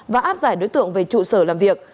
và áp giải đối tượng về trụ sở làm việc